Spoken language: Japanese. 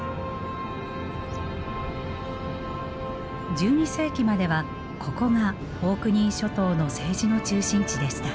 １２世紀まではここがオークニー諸島の政治の中心地でした。